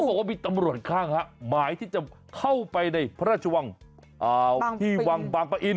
บอกว่ามีตำรวจข้างหมายที่จะเข้าไปในพระราชวังที่วังบางปะอิน